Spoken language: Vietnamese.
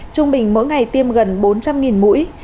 trung bình mỗi ngày tiêm gần bốn trăm linh mũi